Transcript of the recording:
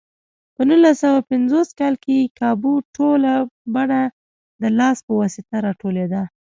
په نولس سوه پنځوس کال کې کابو ټوله پنبه د لاس په واسطه راټولېده.